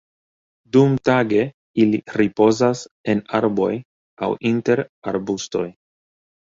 Dumtage ili ripozas en arboj aŭ inter arbustoj.